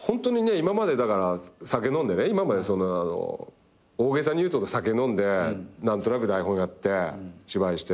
今までだから酒飲んでね今まで大げさにいうと酒飲んで何となく台本やって芝居して。